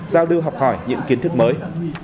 giao đưa học hỏi những kiến thức mới